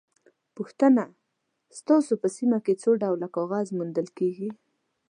پوښتنه: ستاسو په سیمه کې څو ډوله کاغذ موندل کېږي؟